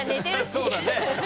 そうだね。